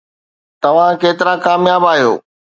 توهان ڪيترا ڪامياب آهيو؟